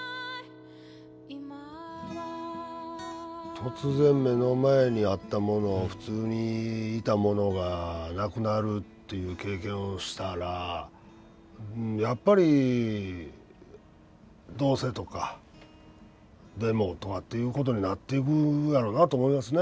突然目の前にあったものを普通にいたものがなくなるっていう経験をしたらやっぱり「どうせ」とか「でも」とかっていうことになってくやろなと思いますね。